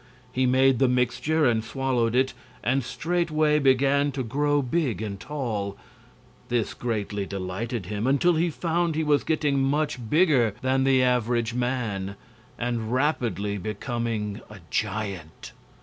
He made the mixture and swallowed it, and straightway began to grow big and tall. This greatly delighted him, until he found he was getting much bigger than the average man and rapidly becoming a giant.